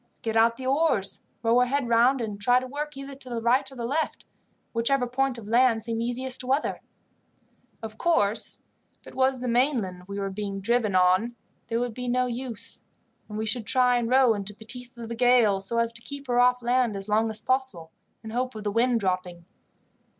"Get out the oars, row her head round, and try to work either to the right or left, whichever point of land seemed easiest to weather. Of course, if it was the mainland we were being driven on there would be no use, and we should try and row into the teeth of the gale, so as to keep her off land as long as possible, in the hope of the wind dropping.